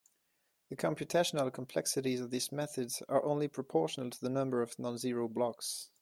The computational complexities of these methods are only proportional to the number of non-zero blocks.